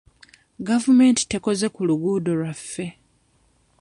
Gavumenti tekoze ku luguuddo lwaffe